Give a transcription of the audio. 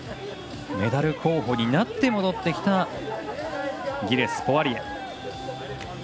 メダル候補になって戻ってきたギレス、ポワリエ。